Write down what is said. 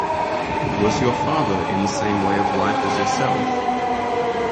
Was your father in the same way of life as yourself?